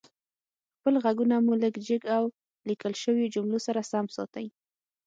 خپل غږونه مو لږ جګ او ليکل شويو جملو سره سم ساتئ